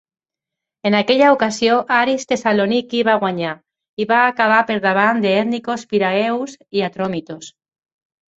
En aquella ocasió, Aris Thessaloniki va guanyar, i va acabar per davant d'Ethnikos Piraeus i Atromitos.